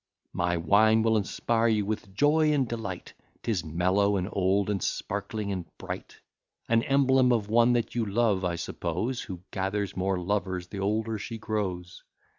My wine will inspire you with joy and delight, 'Tis mellow, and old, and sparkling, and bright; An emblem of one that you love, I suppose, Who gathers more lovers the older she grows.